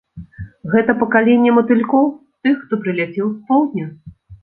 Гэта пакаленне матылькоў, тых, хто прыляцеў з поўдня.